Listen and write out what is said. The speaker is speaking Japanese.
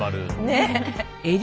ねえ。